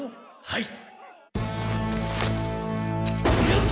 はい！